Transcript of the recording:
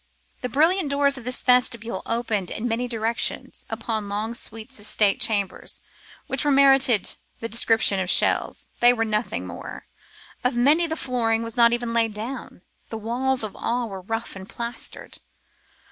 The brilliant doors of this vestibule opened in many directions upon long suites of state chambers, which indeed merited the description of shells. They were nothing more; of many the flooring was not even laid down; the walls of all were rough and plastered.